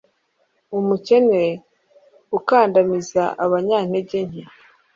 umukene ukandamiza abanyantege nke